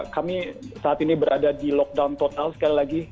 kami saat ini berada di lockdown total sekali lagi